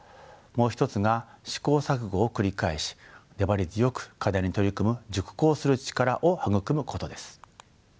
もう一つが試行錯誤を繰り返し粘り強く課題に取り組む熟考する力を育むことです。